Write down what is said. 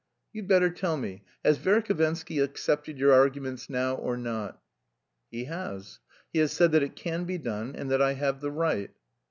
You'd better tell me, has Verhovensky accepted your arguments now, or not?" "He has. He has said that it can be done and that I have the right...."